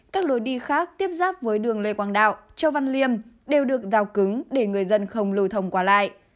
các lối đi khác tiếp giáp với đường lê quang đạo châu văn liêm đều được rào cứng để người dân không lưu thông qua lại